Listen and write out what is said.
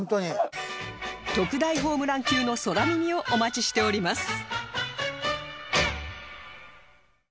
特大ホームラン級の空耳をお待ちしております